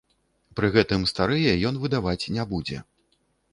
Пры гэтым, старыя ён выдаваць не будзе.